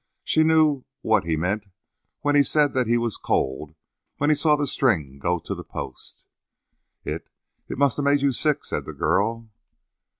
She knew what he meant when he said that he was cold when he saw the string go to the post. "It it must have made you sick!" said the girl.